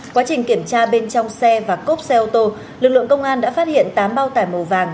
quá trình kiểm tra bên trong xe và cốp xe ô tô lực lượng công an đã phát hiện tám bao tải màu vàng